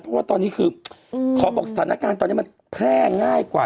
เพราะว่าตอนนี้คือขอบอกสถานการณ์ตอนนี้มันแพร่ง่ายกว่า